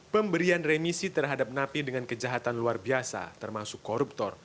pemberian remisi terhadap napi dengan kejahatan luar biasa termasuk koruptor